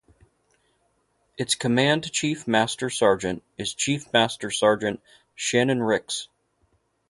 Its Command Chief Master Sergeant is Chief Master Sergeant Shannon Rix.